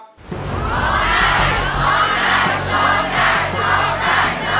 ไปร้องได้